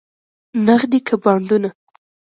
نغدې که بانډونه؟